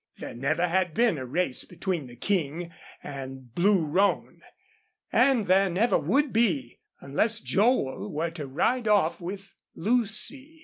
There never had been a race between the King and Blue Roan, and there never would be, unless Joel were to ride off with Lucy.